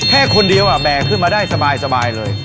แค่คนเดียวแบกขึ้นมาได้สบายเลย